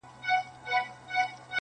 یوه ورځ به زه هم تا دلته راوړمه!.